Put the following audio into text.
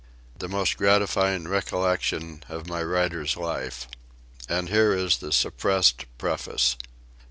The most gratifying recollection of my writer's life! And here is the Suppressed Preface. 1914. JOSEPH CONRAD.